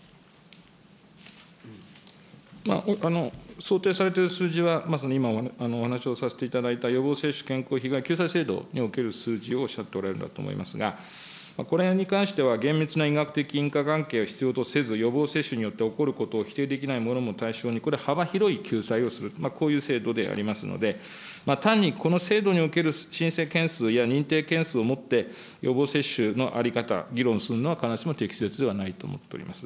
想定されている数字は、まさに今お話をさせていただいた予防接種健康被害救済制度における数字をおっしゃっておられるんだと思いますが、これに関しては、厳密な医学的因果関係は必要とせず、予防接種によって起こるものと否定できないものも対象に、これ、幅広い救済をする、こういう制度でありますので、単にこの制度における申請件数や認定件数をもって、予防接種の在り方、議論するのは必ずしも適切ではないと思っております。